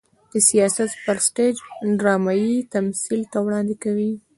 د سياست پر سټېج ډرامايي تمثيل ته وړاندې کوي.